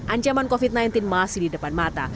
ancaman covid sembilan belas masih di depan mata